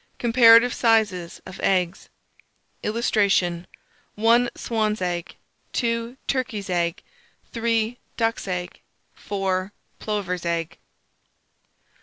COMPARATIVE SIZES OF EGGS. [Illustration: 1 SWAN'S EGG. 2 TURKEY'S EGG. 3 DUCK'S EGG. 4 PLOVER'S EGG.